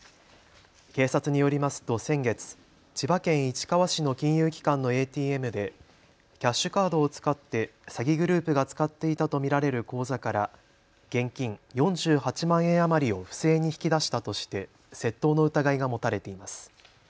警察によりますと先月、千葉県市川市の金融機関のＡＴＭでキャッシュカードを使って詐欺グループが使っていたと見られる口座から現金４８万円余りを不正に引き出したとして窃盗の疑いが持たれています。